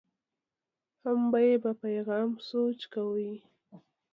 هم به یې په پیغام سوچ کوي.